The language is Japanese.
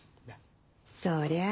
そりゃあ